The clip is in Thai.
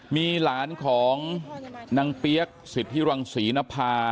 มีหลานของนางเปี๊ยกสิทธิรังศรีนภา